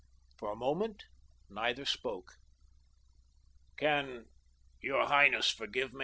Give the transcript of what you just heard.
For a moment neither spoke. "Can your highness forgive?"